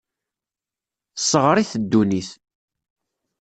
Tesseɣr-it ddunit.